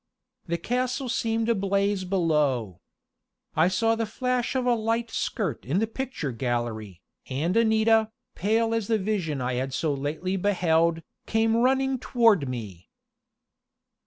The castle seemed ablaze below. I saw the flash of a light skirt in the picture gallery, and Anita, pale as the vision I had so lately beheld, came running toward me.